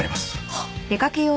はっ？